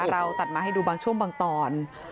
เราตัดมาให้ดูบางช่วงบางตอน